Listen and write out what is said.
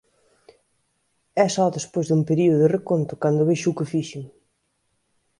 É só despois dun período de reconto cando vexo o que fixen.